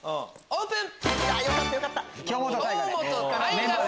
オープン。